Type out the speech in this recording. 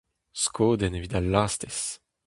Skodenn evit al lastez.